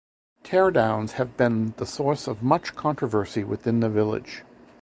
Teardowns have been the source of much controversy within the village.